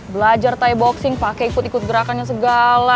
belajar thai boxing pake ikut ikut gerakannya segala